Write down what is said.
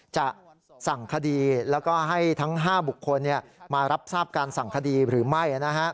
จะสั่งคดีแล้วก็ให้ทั้ง๕บุคคลมารับทราบการสั่งคดีหรือไม่